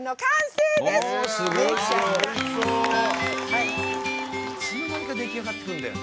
いつの間にか出来上がっていくんだよね。